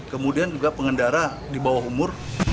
kemudian juga pengendara di bawah umur